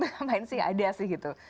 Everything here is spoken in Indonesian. lumayan sih ada sih gitu